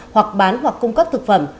hoặc bán hoặc cung cấp thực phẩm